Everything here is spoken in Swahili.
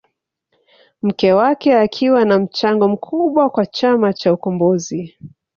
Mke wake akiwa na mchango mkubwa kwa chama cha ukombozi